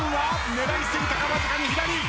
狙い過ぎたかわずかに左。